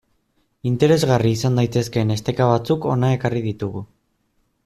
Interesgarri izan daitezkeen esteka batzuk hona ekarri ditugu.